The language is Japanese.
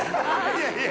いやいや。